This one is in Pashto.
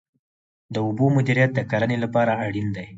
د اوبو مدیریت د کرنې لپاره اړین دی